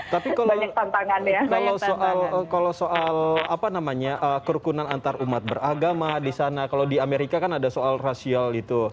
tapi kalau soal apa namanya kerukunan antarumat beragama di sana kalau di amerika kan ada soal rasial itu